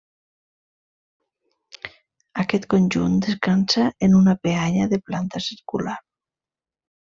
Aquest conjunt descansa en una peanya de planta circular.